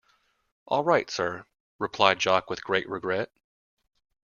All right, Sir, replied Jock with great regret.